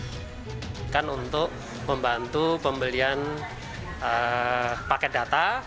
kita untuk membantu pembelian paket data